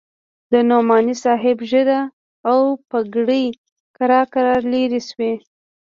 د نعماني صاحب ږيره او پګړۍ کرار کرار لرې سوې.